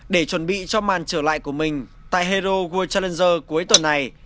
để chuẩn bị cho màn trở lại của mình tại hero world challenger cuối tuần này